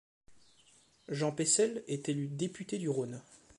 Jean Peissel est élu député du Rhône.